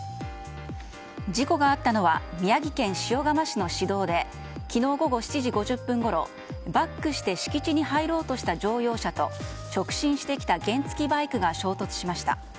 事故があったのは宮城県塩竈市の市道で昨日午後７時５０分ごろバックして敷地に入ろうとした乗用車と直進してきた原付きバイクが衝突しました。